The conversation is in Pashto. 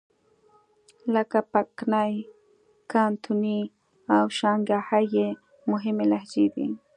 لکه پکني، کانتوني او شانګهای یې مهمې لهجې دي.